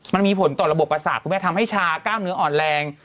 มันมีผลต่อระบบประสาทคุณแม่ทำให้ชากล้ามเนื้ออ่อนแรง